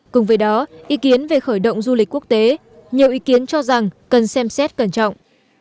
cùng với đó ý kiến về khởi động du lịch quốc tế nhiều ý kiến cho rằng cần xem xét cẩn trọng